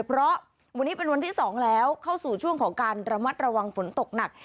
เพราะวันนี้เป็นวันที่๒แล้วเข้าสู่ช่วงของการระมัดระวังฝนตกหนัก